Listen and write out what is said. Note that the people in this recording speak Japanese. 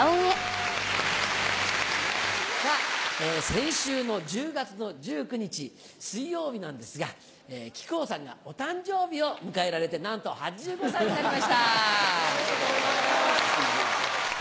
先週の１０月１９日水曜日なんですが木久扇さんがお誕生日を迎えられてなんと８５歳になりました。